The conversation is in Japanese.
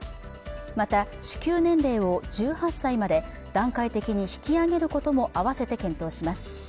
また、支給年齢を１８歳まで段階的に引き上げることも合わせて検討します。